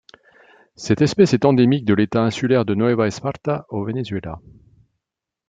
Cette espèce est endémique de l'État insulaire de Nueva Esparta au Venezuela.